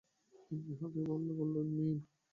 তিনি হালকা গলায় বললেন, নিন।